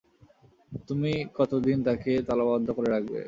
তুমি কতদিন তাকে তালাবন্ধ করে রাখবে?